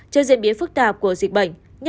trên diễn biến phức tạp của dịch bệnh